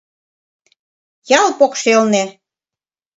Ял покшелне